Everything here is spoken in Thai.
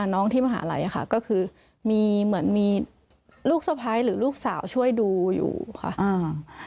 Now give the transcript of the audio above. น้องที่มหาลัยค่ะก็คือมีเหมือนมีลูกสะพ้ายหรือลูกสาวช่วยดูอยู่ค่ะอ่า